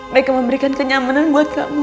mereka memberikan kenyamanan buat kamu